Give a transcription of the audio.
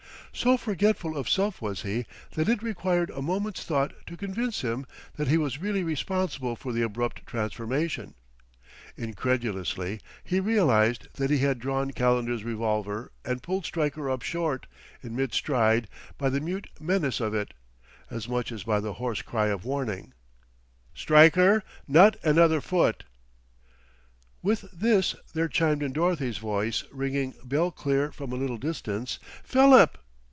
So forgetful of self was he, that it required a moment's thought to convince him that he was really responsible for the abrupt transformation. Incredulously he realized that he had drawn Calendar's revolver and pulled Stryker up short, in mid stride, by the mute menace of it, as much as by his hoarse cry of warning: "Stryker not another foot " With this there chimed in Dorothy's voice, ringing bell clear from a little distance: "Philip!"